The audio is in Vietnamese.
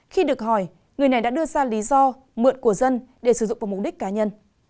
khi được hỏi người này đã đưa ra lý do mượn của dân để sử dụng vào mục đích cá nhân